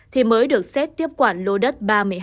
thì mới được xét tiếp quản lô đất ba mươi hai